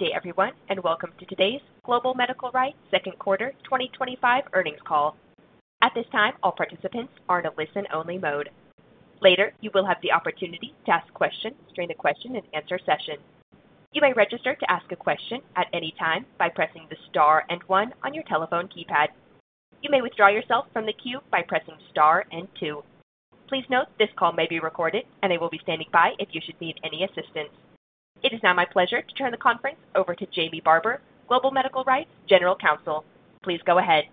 Good day, everyone, and welcome to today's Global Medical REIT Second Quarter 2025 Earnings Call. At this time, all participants are in a listen-only mode. Later, you will have the opportunity to ask questions during the question-and-answer session. You may register to ask a question at any time by pressing the star and one on your telephone keypad. You may withdraw yourself from the queue by pressing star and two. Please note this call may be recorded, and I will be standing by if you should need any assistance. It is now my pleasure to turn the conference over to Jamie Barber, Global Medical REIT's General Counsel. Please go ahead.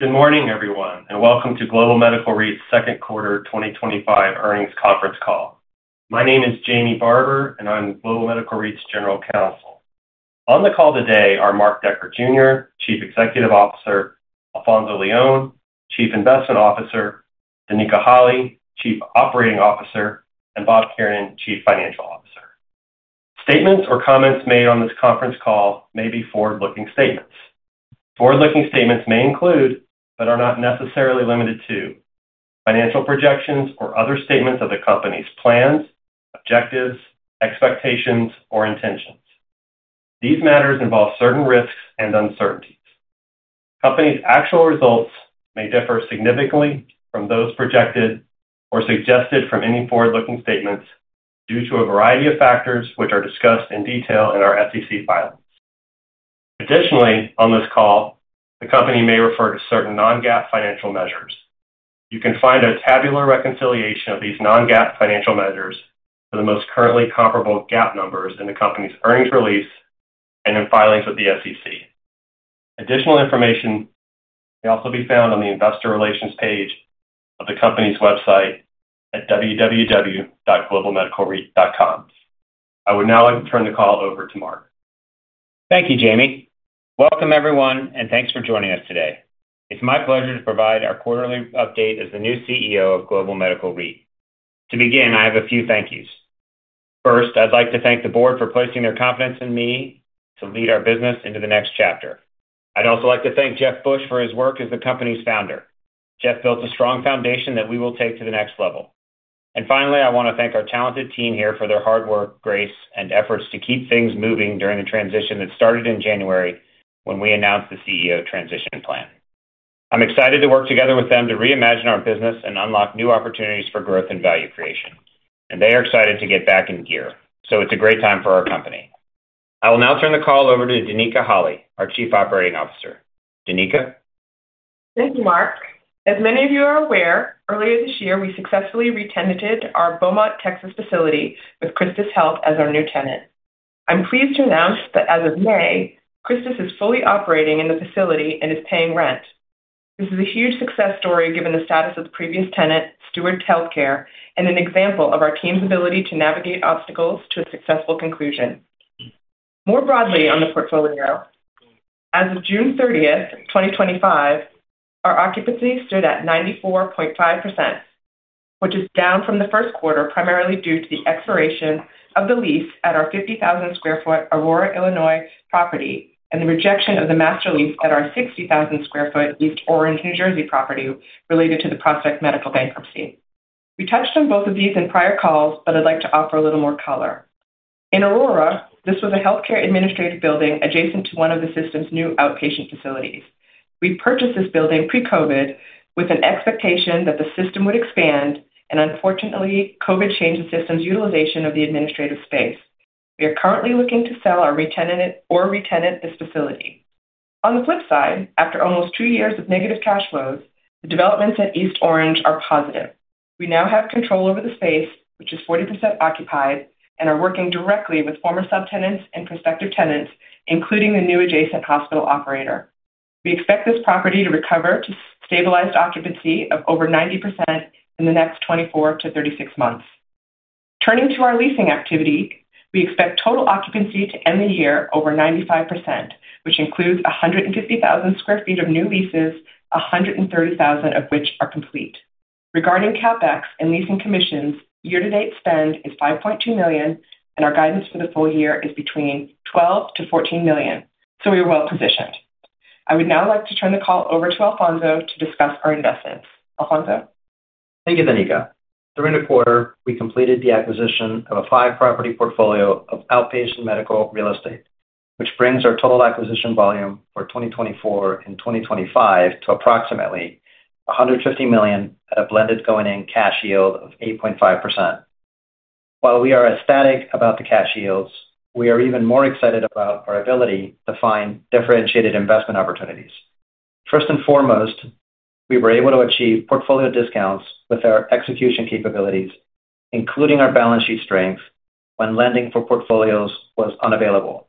Good morning, everyone, and welcome to Global Medical REIT's Second Quarter 2025 Earnings Conference Call. My name is Jamie Barber, and I'm Global Medical REIT's General Counsel. On the call today are Mark Decker, Jr., Chief Executive Officer, Alfonzo Leon, Chief Investment Officer, Danica Holley, Chief Operating Officer, and Bob Kiernan, Chief Financial Officer. Statements or comments made on this conference call may be forward-looking statements. Forward-looking statements may include, but are not necessarily limited to, financial projections or other statements of the company's plans, objectives, expectations, or intentions. These matters involve certain risks and uncertainties. The company's actual results may differ significantly from those projected or suggested from any forward-looking statements due to a variety of factors which are discussed in detail in our SEC filing. Additionally, on this call, the company may refer to certain non-GAAP financial measures. You can find a tabular reconciliation of these non-GAAP financial measures for the most currently comparable GAAP numbers in the company's earnings release and in filings with the SEC. Additional information may also be found on the investor relations page of the company's website at www.globalmedicalreit.com. I would now like to turn the call over to Mark. Thank you, Jamie. Welcome, everyone, and thanks for joining us today. It's my pleasure to provide our quarterly update as the new CEO of Global Medical REIT. To begin, I have a few thank yous. First, I'd like to thank the board for placing their confidence in me to lead our business into the next chapter. I'd also like to thank Jeff Busch for his work as the company's founder. Jeff built a strong foundation that we will take to the next level. Finally, I want to thank our talented team here for their hard work, grace, and efforts to keep things moving during the transition that started in January when we announced the CEO transition plan. I'm excited to work together with them to reimagine our business and unlock new opportunities for growth and value creation. They are excited to get back in gear, so it's a great time for our company. I will now turn the call over to Danica Holley, our Chief Operating Officer. Danica? Thank you, Mark. As many of you are aware, earlier this year, we successfully re-tenanted our Beaumont, Texas facility with CHRISTUS Health as our new tenant. I'm pleased to announce that as of May, CHRISTUS is fully operating in the facility and is paying rent. This is a huge success story given the status of the previous tenant, Steward Health Care, and an example of our team's ability to navigate obstacles to a successful conclusion. More broadly on the portfolio, as of June 30th, 2025, our occupancy stood at 94.5%, which is down from the first quarter primarily due to the expiration of the lease at our 50,000 sq ft Aurora, Illinois property and the rejection of the master lease at our 60,000 sq ft East Orange, New Jersey property related to the Prospect Medical bankruptcy. We touched on both of these in prior calls, but I'd like to offer a little more color. In Aurora, this was a healthcare administrative building adjacent to one of the system's new outpatient facilities. We purchased this building pre-COVID with an expectation that the system would expand, and unfortunately, COVID changed the system's utilization of the administrative space. We are currently looking to sell or re-tenant this facility. On the flip side, after almost two years of negative cash flows, the developments at East Orange are positive. We now have control over the space, which is 40% occupied, and are working directly with former subtenants and prospective tenants, including the new adjacent hospital operator. We expect this property to recover to stabilized occupancy of over 90% in the next 24 months-36 months. Turning to our leasing activity, we expect total occupancy to end the year over 95%, which includes 150,000 sq ft of new leases, 130,000 sq ft of which are complete. Regarding CapEx and leasing commissions, year-to-date spend is $5.2 million, and our guidance for the full year is between $12 million-$14 million, so we are well positioned. I would now like to turn the call over to Alfonzo to discuss our investments. Alfonzo? Thank you, Danica. During the quarter, we completed the acquisition of a five-property portfolio of outpatient medical real estate, which brings our total acquisition volume for 2024 and 2025 to approximately $150 million at a blended going-in cash yield of 8.5%. While we are ecstatic about the cash yields, we are even more excited about our ability to find differentiated investment opportunities. First and foremost, we were able to achieve portfolio discounts with our execution capabilities, including our balance sheet strength when lending for portfolios was unavailable.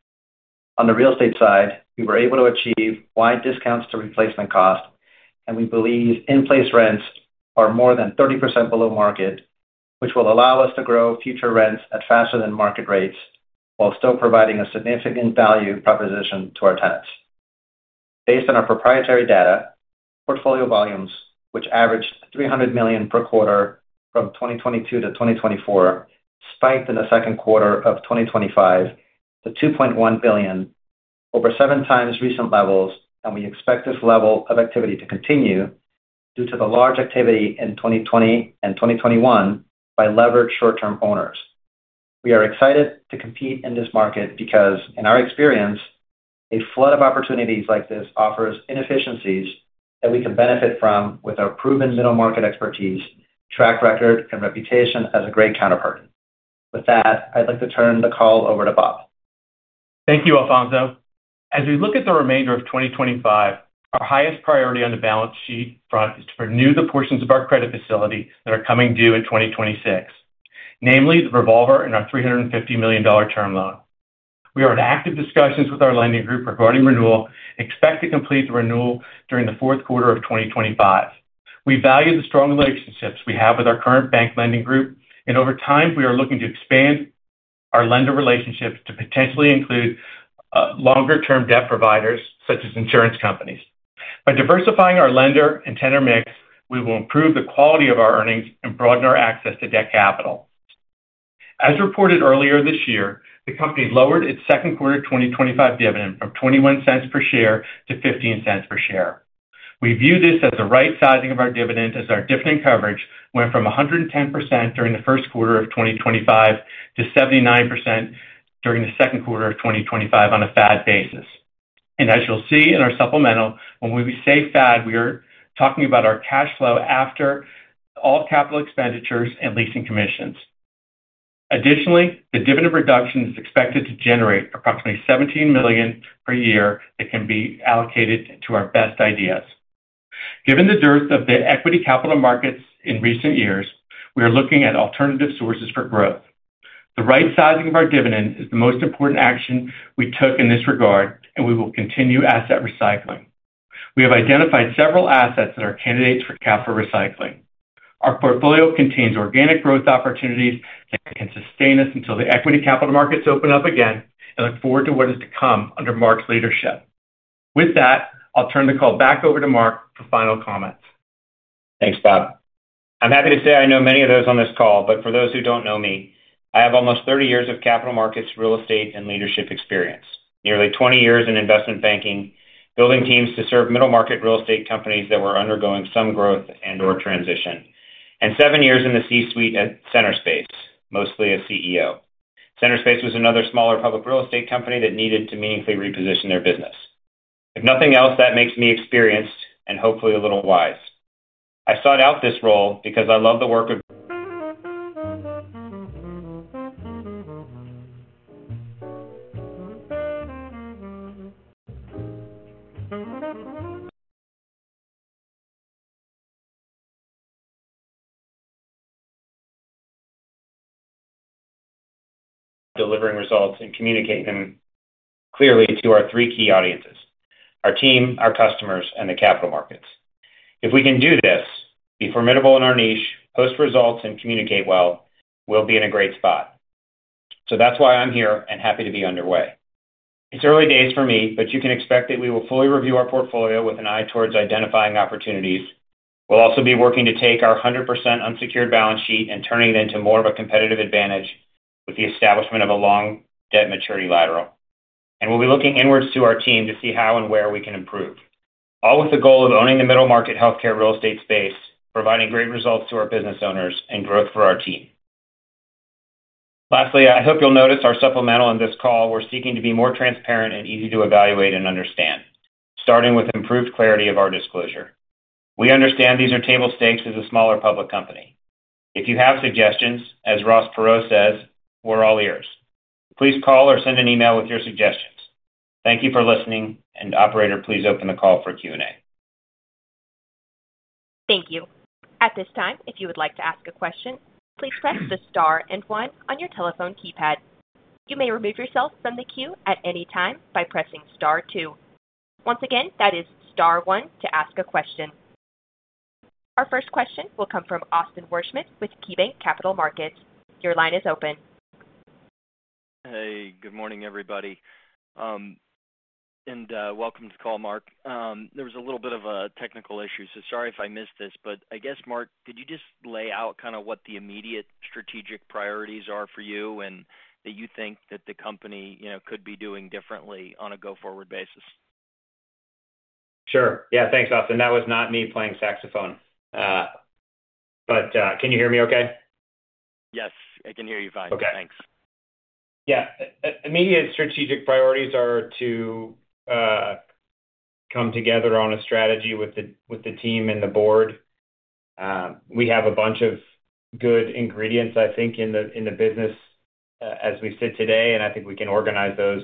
On the real estate side, we were able to achieve wide discounts to replacement costs, and we believe in-place rents are more than 30% below market, which will allow us to grow future rents at faster than market rates, while still providing a significant value proposition to our tenants. Based on our proprietary data, portfolio volumes, which averaged $300 million per quarter from 2022-2024, spiked in the second quarter of 2025 to $2.1 billion, over seven times recent levels, and we expect this level of activity to continue due to the large activity in 2020 and 2021 by leveraged short-term owners. We are excited to compete in this market because, in our experience, a flood of opportunities like this offers inefficiencies that we can benefit from with our proven middle market expertise, track record, and reputation as a great counterparty. With that, I'd like to turn the call over to Bob. Thank you, Alfonzo. As we look at the remainder of 2025, our highest priority on the balance sheet is to renew the portions of our credit facility that are coming due in 2026, namely the revolver and our $350 million term loan. We are in active discussions with our lending group regarding renewal and expect to complete the renewal during the fourth quarter of 2025. We value the strong relationships we have with our current bank lending group, and over time, we are looking to expand our lender relationships to potentially include longer-term debt providers such as insurance companies. By diversifying our lender and tenor mix, we will improve the quality of our earnings and broaden our access to debt capital. As reported earlier this year, the company lowered its second quarter 2025 dividend from $0.21 per share to $0.15 per share. We view this as the right sizing of our dividend as our dividend coverage went from 110% during the first quarter of 2025 to 79% during the second quarter of 2025 on a FAD basis. As you'll see in our supplemental, when we say FAD, we are talking about our cash flow after all capital expenditures and leasing commissions. Additionally, the dividend reduction is expected to generate approximately $17 million per year that can be allocated to our best ideas. Given the dearth of the equity capital markets in recent years, we are looking at alternative sources for growth. The right sizing of our dividend is the most important action we took in this regard, and we will continue asset recycling. We have identified several assets that are candidates for capital recycling. Our portfolio contains organic growth opportunities that can sustain us until the equity capital markets open up again and look forward to what is to come under Mark's leadership. With that, I'll turn the call back over to Mark for final comments. Thanks, Bob. I'm happy to say I know many of those on this call, but for those who don't know me, I have almost 30 years of capital markets, real estate, and leadership experience, nearly 20 years in investment banking, building teams to serve middle market real estate companies that were undergoing some growth and/or transition, and seven years in the C-suite at Centerspace, mostly as CEO. Centerspace was another smaller public real estate company that needed to meaningfully reposition their business. If nothing else, that makes me experienced and hopefully a little wise. I sought out this role because I love the work of delivering results and communicating clearly to our three key audiences: our team, our customers, and the capital markets. If we can do this, be formidable in our niche, post results, and communicate well, we'll be in a great spot. That's why I'm here and happy to be underway. It's early days for me, but you can expect that we will fully review our portfolio with an eye towards identifying opportunities. We'll also be working to take our 100% unsecured balance sheet and turning it into more of a competitive advantage with the establishment of a long debt maturity lateral. We'll be looking inwards to our team to see how and where we can improve, all with the goal of owning the middle market healthcare real estate space, providing great results to our business owners and growth for our team. Lastly, I hope you'll notice our supplemental on this call. We're seeking to be more transparent and easy to evaluate and understand, starting with improved clarity of our disclosure. We understand these are table stakes as a smaller public company. If you have suggestions, as Ross Perot says, we're all ears. Please call or send an email with your suggestions. Thank you for listening, and operator, please open the call for Q&A. Thank you. At this time, if you would like to ask a question, please press the star and one on your telephone keypad. You may remove yourself from the queue at any time by pressing star two. Once again, that is star one to ask a question. Our first question will come from Austin Wurschmidt with KeyBanc Capital Markets. Your line is open. Hey, good morning, everybody. Welcome to the call, Mark. There was a little bit of a technical issue, so sorry if I missed this. I guess, Mark, could you just lay out what the immediate strategic priorities are for you and that you think that the company could be doing differently on a go-forward basis? Sure. Yeah, thanks, Austin. That was not me playing saxophone. Can you hear me okay? Yes, I can hear you fine. Okay. Thanks. Yeah, immediate strategic priorities are to come together on a strategy with the team and the Board. We have a bunch of good ingredients, I think, in the business as we sit today, and I think we can organize those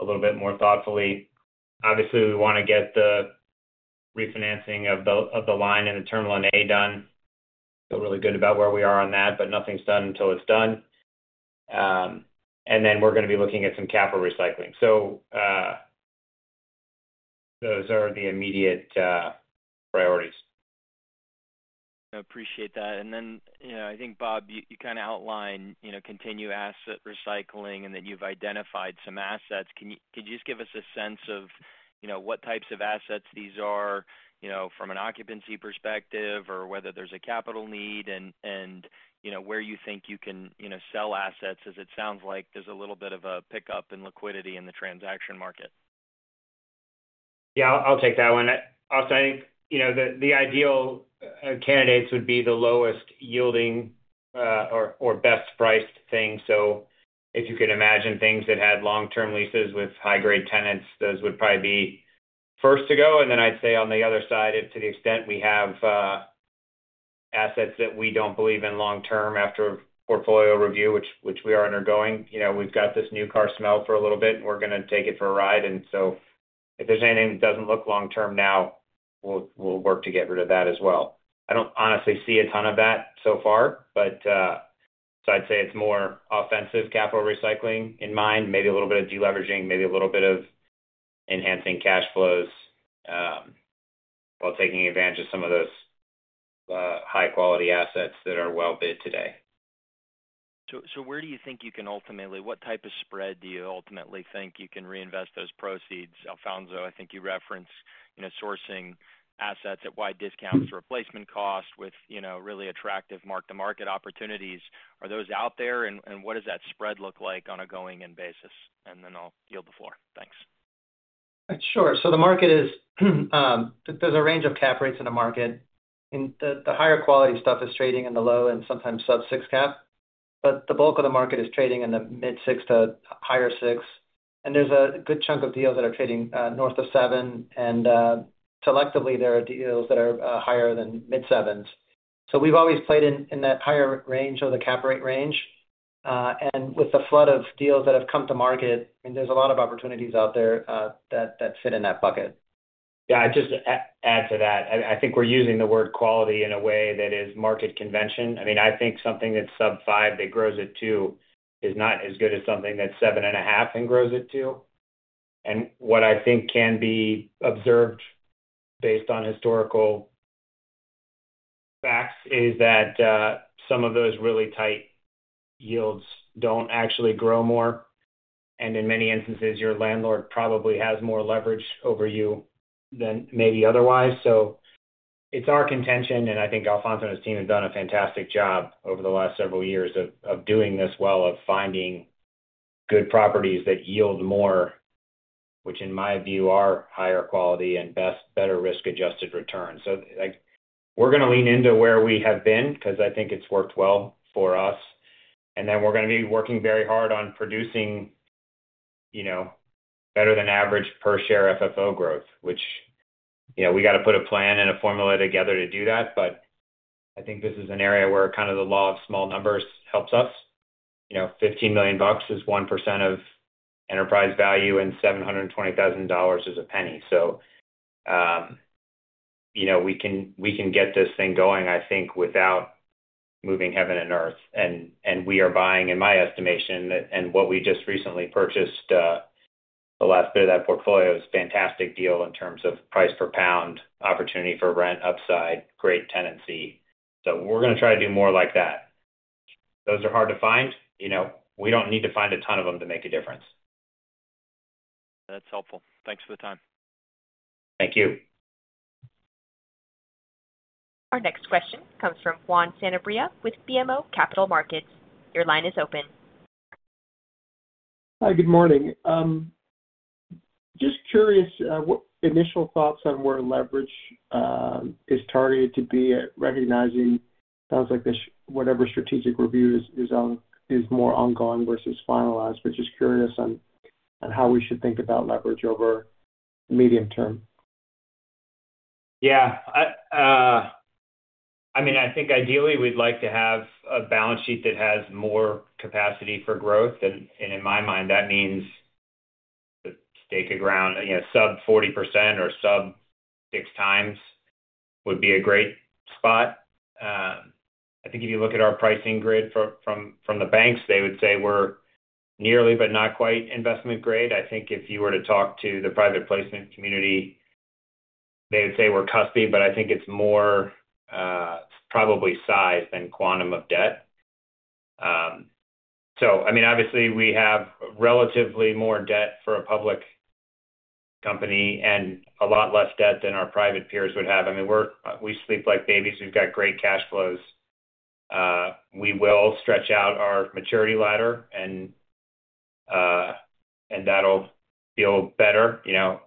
a little bit more thoughtfully. Obviously, we want to get the refinancing of the line and the term loan A done. I feel really good about where we are on that, but nothing's done until it's done. We are going to be looking at some asset recycling. Those are the immediate priorities. I appreciate that. I think, Bob, you kind of outlined continue asset recycling and that you've identified some assets. Can you just give us a sense of what types of assets these are, from an occupancy perspective or whether there's a capital need, and where you think you can sell assets as it sounds like there's a little bit of a pickup in liquidity in the transaction market? Yeah, I'll take that one. Austin, I think, you know, the ideal candidates would be the lowest yielding or best priced things. If you could imagine things that had long-term leases with high-grade tenants, those would probably be first to go. On the other side, to the extent we have assets that we don't believe in long-term after a portfolio review, which we are undergoing, we've got this new car smell for a little bit and we're going to take it for a ride. If there's anything that doesn't look long-term now, we'll work to get rid of that as well. I don't honestly see a ton of that so far, but I'd say it's more offensive capital recycling in mind, maybe a little bit of deleveraging, maybe a little bit of enhancing cash flows while taking advantage of some of those high-quality assets that are well bid today. Where do you think you can ultimately, what type of spread do you ultimately think you can reinvest those proceeds? Alfonzo, I think you referenced sourcing assets at wide discounts to replacement costs with really attractive mark-to-market opportunities. Are those out there and what does that spread look like on a going-in basis? I'll yield the floor. Thanks. Sure. The market is, there's a range of cap rates in the market. The higher quality stuff is trading in the low and sometimes sub-6% cap, but the bulk of the market is trading in the mid-6% to higher 6%. There's a good chunk of deals that are trading north of 7%, and selectively, there are deals that are higher than mid-7%. We've always played in that higher range of the cap rate range. With the flood of deals that have come to market, there's a lot of opportunities out there that fit in that bucket. Yeah, I'd just add to that. I think we're using the word quality in a way that is market convention. I mean, I think something that's sub-5% that grows at 2% is not as good as something that's 7.5% and grows at 2%. What I think can be observed based on historical facts is that some of those really tight yields don't actually grow more. In many instances, your landlord probably has more leverage over you than maybe otherwise. It's our contention. I think Alfonzo and his team have done a fantastic job over the last several years of doing this well, of finding good properties that yield more, which in my view are higher quality and better risk-adjusted returns. We're going to lean into where we have been because I think it's worked well for us. We're going to be working very hard on producing better than average per share FFO growth, which, you know, we got to put a plan and a formula together to do that. I think this is an area where kind of the law of small numbers helps us. $15 million is 1% of enterprise value and $720,000 is a penny. We can get this thing going, I think, without moving heaven and earth. We are buying, in my estimation, and what we just recently purchased, the last bit of that portfolio is a fantastic deal in terms of price per pound, opportunity for rent, upside, great tenancy. We're going to try to do more like that. Those are hard to find. We don't need to find a ton of them to make a difference. That's helpful. Thanks for the time. Thank you. Our next question comes from Juan Sanabria with BMO Capital Markets. Your line is open. Hi, good morning. Just curious, what initial thoughts on where leverage is targeted to be at, recognizing it sounds like this, whatever strategic review is more ongoing versus finalized, but just curious on how we should think about leverage over the medium term. Yeah. I mean, I think ideally we'd like to have a balance sheet that has more capacity for growth. In my mind, that means the stake of ground, you know, sub-40% or sub-six times would be a great spot. I think if you look at our pricing grid from the banks, they would say we're nearly but not quite investment grade. I think if you were to talk to the private placement community, they would say we're custody, but I think it's more probably size than quantum of debt. Obviously, we have relatively more debt for a public company and a lot less debt than our private peers would have. I mean, we sleep like babies. We've got great cash flows. We will stretch out our maturity ladder and that'll feel better. You know,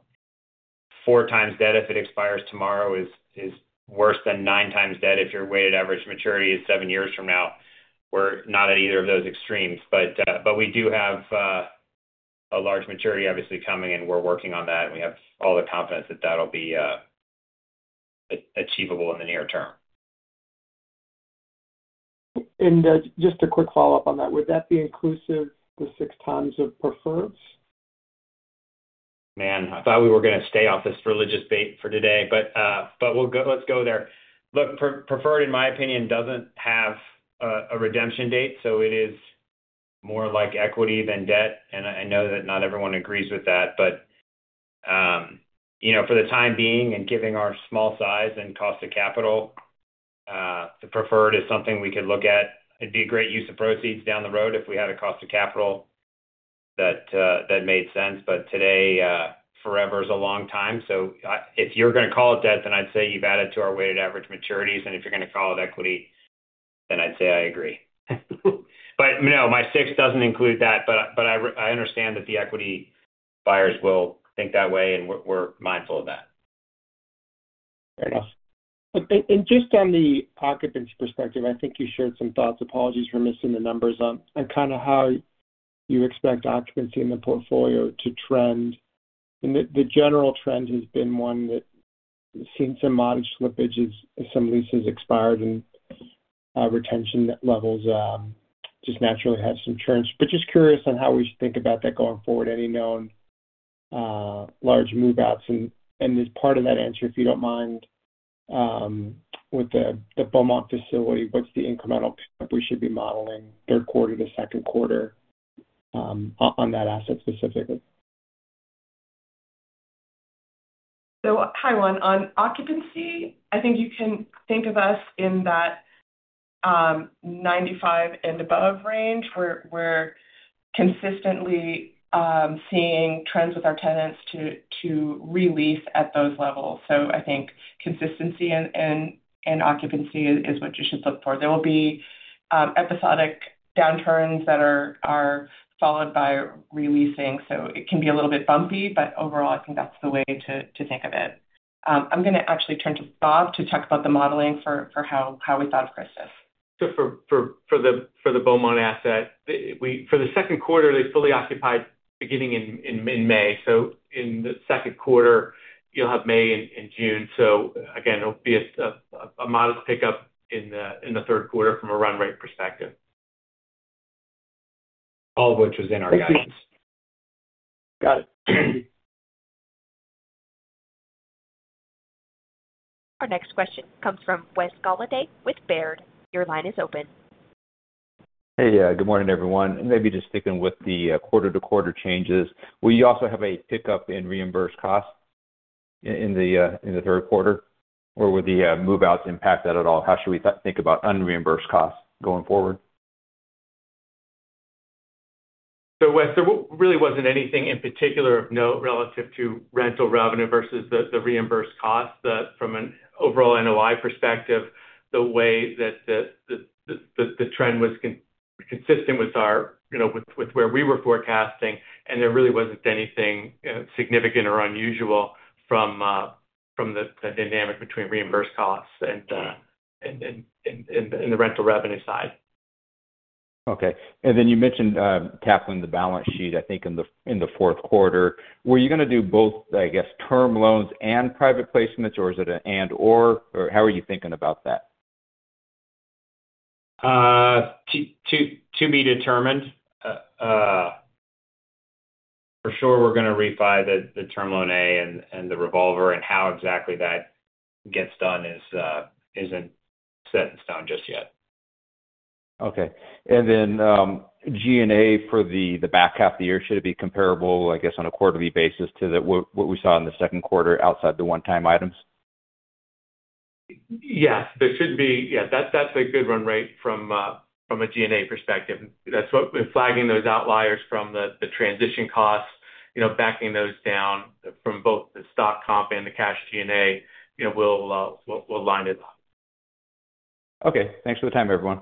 four times debt if it expires tomorrow is worse than nine times debt if your weighted average maturity is seven years from now. We're not at either of those extremes, but we do have a large maturity, obviously, coming and we're working on that and we have all the confidence that that'll be achievable in the near term. Just a quick follow-up on that. Would that be inclusive for 6x of preferred? I thought we were going to stay off this religious bait for today, but let's go there. Look, preferred, in my opinion, doesn't have a redemption date, so it is more like equity than debt. I know that not everyone agrees with that, but for the time being and given our small size and cost of capital, the preferred is something we could look at. It'd be a great use of proceeds down the road if we had a cost of capital that made sense, but today forever is a long time. If you're going to call it debt, then I'd say you've added to our weighted average maturities. If you're going to call it equity, then I'd say I agree. No, my six doesn't include that, but I understand that the equity buyers will think that way and we're mindful of that. From the occupancy perspective, I think you shared some thoughts. Apologies for missing the numbers on how you expect occupancy in the portfolio to trend. The general trend has been one that seems to show modest slippage as some leases expired and retention levels just naturally had some churn. I am curious on how we should think about that going forward, any known large move-outs. As part of that answer, if you don't mind, with the Beaumont, Texas facility, what's the incremental pickup we should be modeling third quarter to second quarter on that asset specifically? Hi, Juan. On occupancy, I think you can think of us in that 95% and above range. We're consistently seeing trends with our tenants to release at those levels. I think consistency in occupancy is what you should look for. There will be episodic downturns that are followed by releasing. It can be a little bit bumpy, but overall, I think that's the way to think of it. I'm going to actually turn to Bob to talk about the modeling for how we thought of CHRISTUS. For the Beaumont asset, for the second quarter, they fully occupied beginning in May. In the second quarter, you'll have May and June. It'll be a modest pickup in the third quarter from a run rate perspective. All of which was in our guidance. Got it. Thank you. Our next question comes from Wes Golladay with Baird. Your line is open. Hey, good morning, everyone. Maybe just sticking with the quarter-to-quarter changes, will you also have a pickup in reimbursed costs in the third quarter? Would the move-outs impact that at all? How should we think about unreimbursed costs going forward? There really wasn't anything in particular of note relative to rental revenue versus the reimbursed costs. From an overall NOI perspective, the way that the trend was consistent with our, you know, with where we were forecasting, and there really wasn't anything significant or unusual from the dynamic between reimbursed costs and the rental revenue side. Okay. You mentioned tackling the balance sheet, I think, in the fourth quarter. Were you going to do both, I guess, term loans and private placements, or is it an and/or, or how are you thinking about that? To be determined. For sure, we're going to refi the term loan A and the revolver, and how exactly that gets done isn't set in stone just yet. Okay. G&A for the back half of the year, should it be comparable, I guess, on a quarterly basis to what we saw in the second quarter outside the one-time items? Yes, but shouldn't be. Yeah, that's a good run rate from a G&A perspective. That's what we're flagging, those outliers from the transition costs, you know, backing those down from both the stock comp and the cash G&A. You know, we'll line it up. Okay, thanks for the time, everyone.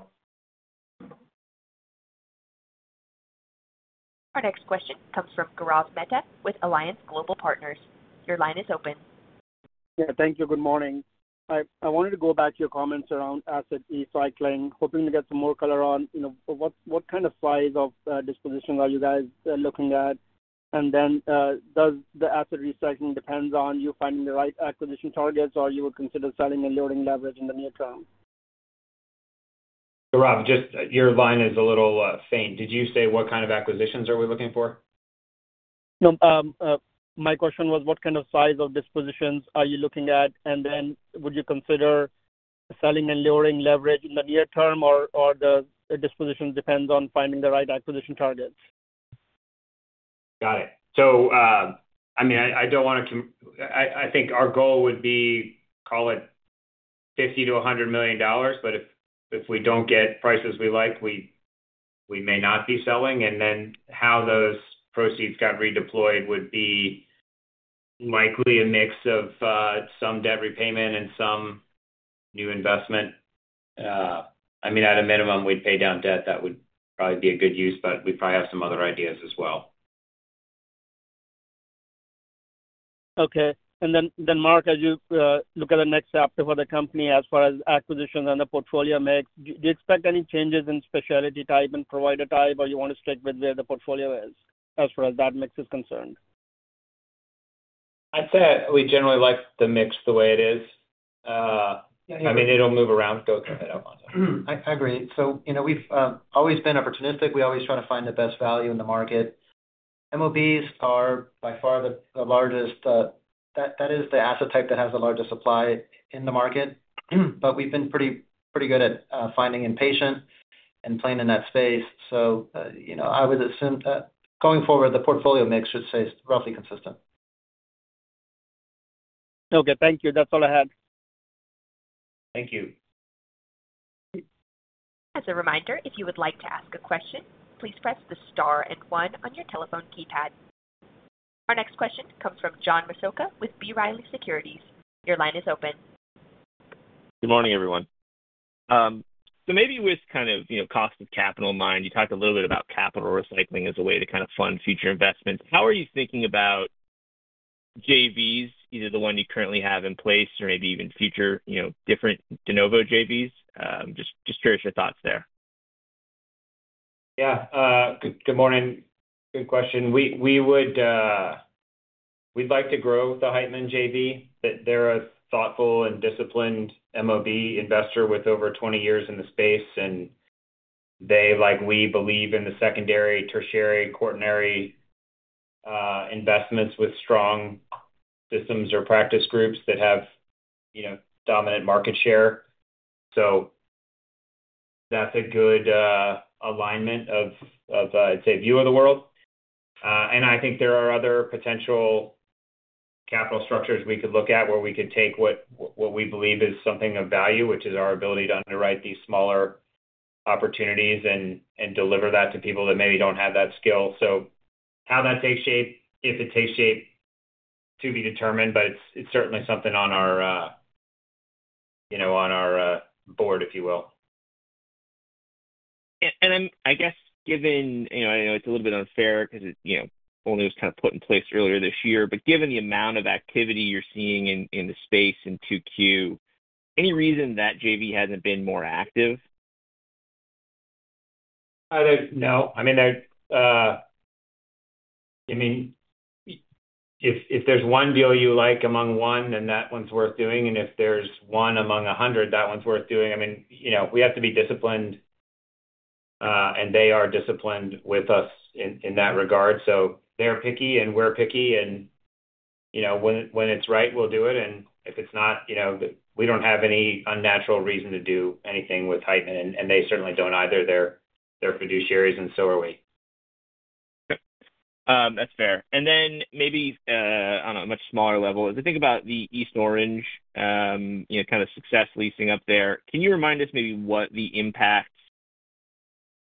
Our next question comes from Gaurav Mehta with Alliance Global Partners. Your line is open. Thank you. Good morning. I wanted to go back to your comments around asset recycling, hoping to get some more color on what kind of size of dispositions are you guys looking at. Does the asset recycling depend on you finding the right acquisition targets, or you would consider selling and loading leverage in the near term? Garaz, your line is a little faint. Did you say what kind of acquisitions are we looking for? No, my question was what kind of size of dispositions are you looking at? Would you consider selling and lowering leverage in the near term, or do the dispositions depend on finding the right acquisition targets? Got it. I think our goal would be, call it $50 million-$100 million, but if we don't get prices we like, we may not be selling. How those proceeds got redeployed would be likely a mix of some debt repayment and some new investment. At a minimum, we'd pay down debt. That would probably be a good use, but we'd probably have some other ideas as well. Okay. Mark, as you look at the next chapter for the company as far as acquisitions and the portfolio mix, do you expect any changes in specialty type and provider type, or do you want to stick with where the portfolio is as far as that mix is concerned? I'd say we generally like the mix the way it is. I mean, it'll move around. Go ahead, Alfonzo. I agree. We've always been opportunistic. We always try to find the best value in the market. MOBs are by far the largest, that is the asset type that has the largest supply in the market. We've been pretty good at finding inpatient and playing in that space. I would assume that going forward, the portfolio mix should stay roughly consistent. Okay, thank you. That's all I had. Thank you. As a reminder, if you would like to ask a question, please press the star and one on your telephone keypad. Our next question comes from John Massocca with B. Riley Securities. Your line is open. Good morning, everyone. With cost of capital in mind, you talked a little bit about asset recycling as a way to fund future investments. How are you thinking about joint ventures, either the one you currently have in place or maybe even future different de novo joint ventures? Just curious your thoughts there. Good morning. Good question. We would like to grow the Heitman joint venture. They're a thoughtful and disciplined MOB investor with over 20 years in the space. They, like we, believe in the secondary, tertiary, quaternary investments with strong systems or practice groups that have dominant market share. That's a good alignment of view of the world. I think there are other potential capital structures we could look at where we could take what we believe is something of value, which is our ability to underwrite these smaller opportunities and deliver that to people that maybe don't have that skill. How that takes shape, if it takes shape, to be determined, but it's certainly something on our board, if you will. Given, you know, I know it's a little bit unfair because it only was kind of put in place earlier this year, but given the amount of activity you're seeing in the space in 2Q, any reason that JV hasn't been more active? If there's one deal you like among one, then that one's worth doing. If there's one among 100, that one's worth doing. We have to be disciplined, and they are disciplined with us in that regard. They're picky, and we're picky, and when it's right, we'll do it. If it's not, we don't have any unnatural reason to do anything with Heitman, and they certainly don't either. They're fiduciaries, and so are we. That's fair. Maybe on a much smaller level, as I think about the East Orange, you know, kind of success leasing up there, can you remind us maybe what the impact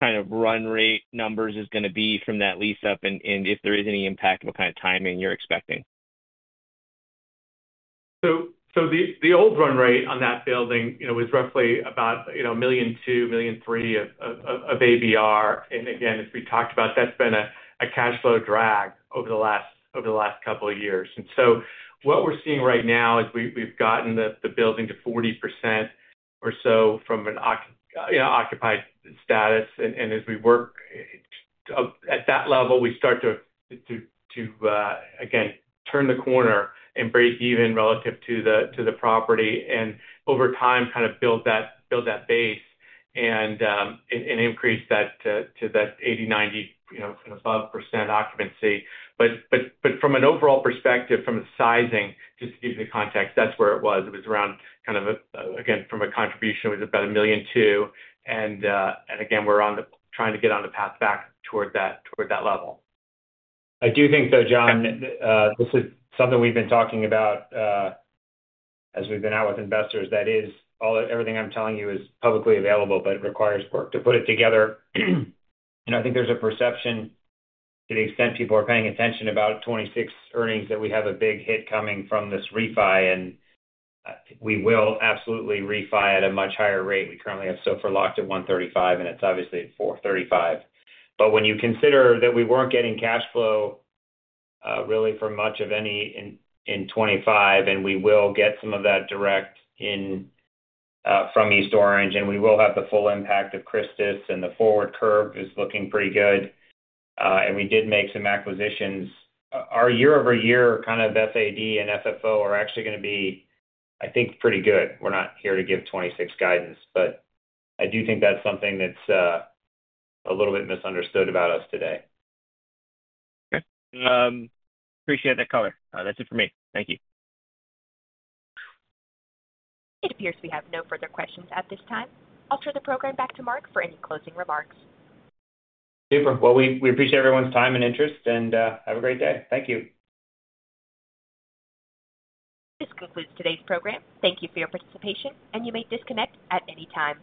kind of run rate numbers are going to be from that lease up, and if there is any impact, what kind of timing you're expecting? The old run rate on that building was roughly about $1.2 million, $1.3 million, a baby R. As we talked about, that's been a cash flow drag over the last couple of years. What we're seeing right now is we've gotten the building to 40% or so from an occupied status. As we work at that level, we start to turn the corner and break even relative to the property and over time kind of build that base and increase that to that 80%, 90%, and above occupancy. From an overall perspective, from the sizing, just to give you the context, that's where it was. It was around, again, from a contribution, it was about $1.2 million. We're trying to get on the path back toward that level. I do think so, John. This is something we've been talking about as we've been out with investors. That is all, everything I'm telling you is publicly available, but it requires work to put it together. I think there's a perception, to the extent people are paying attention, about 2026 earnings that we have a big hit coming from this refi, and we will absolutely refi at a much higher rate. We currently have so far locked at 1.35%, and it's obviously at 4.35%. When you consider that we weren't getting cash flow, really for much of any in 2025, and we will get some of that direct in from East Orange, and we will have the full impact of CHRISTUS, and the forward curve is looking pretty good. We did make some acquisitions. Our year-over-year kind of FAD and FFO are actually going to be, I think, pretty good. We're not here to give 2026 guidance, but I do think that's something that's a little bit misunderstood about us today. Okay. Appreciate that color. That's it for me. Thank you. It appears we have no further questions at this time. I'll turn the program back to Mark for any closing remarks. Super. We appreciate everyone's time and interest, and have a great day. Thank you. This concludes today's program. Thank you for your participation, and you may disconnect at any time.